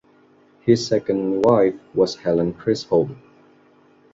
His second wife was Helen Chisholm.